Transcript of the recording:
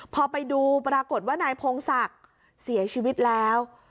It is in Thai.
พอไปดูปรากฏว่านายพงศักดิ์เสียชีวิตแล้ว